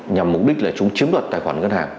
nhằm mục đích là chúng chiếm đoạt tài khoản ngân hàng